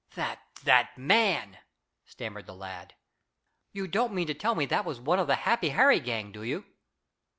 "That that man," stammered the lad. "You don't mean to tell me that was one the Happy Harry gang, do you?"